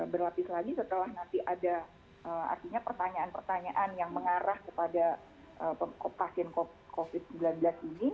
berlapis lagi setelah nanti ada artinya pertanyaan pertanyaan yang mengarah kepada pasien covid sembilan belas ini